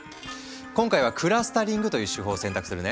今回はクラスタリングという手法を選択するね。